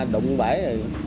đụng bể rồi